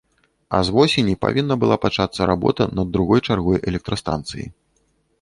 А з восені павінна была пачацца работа над другой чаргой электрастанцыі.